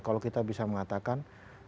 kalau kita bisa mengatakan